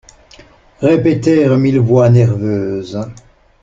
Répétèrent mille voix nerveuses.